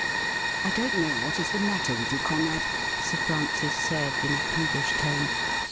' I don't know what is the matter with you, Conrad,' Sir Francis said, in a peevish tone.